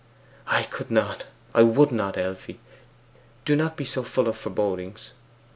'I could not, I would not. Elfie, do not be so full of forebodings.